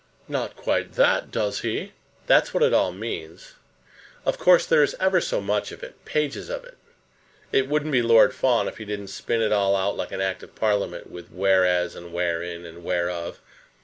"Not quite that; does he?" "That's what it all means. Of course, there is ever so much of it, pages of it. It wouldn't be Lord Fawn if he didn't spin it all out like an Act of Parliament, with 'whereas' and 'wherein,' and 'whereof.'